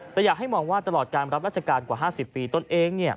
แต่อยากให้มองว่าตลอดการรับราชการกว่า๕๐ปีตนเอง